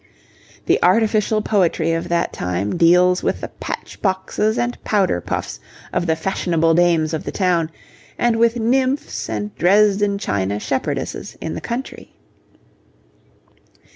The artificial poetry of that time deals with the patch boxes and powder puffs of the fashionable dames of the town, and with nymphs and Dresden china shepherdesses in the country.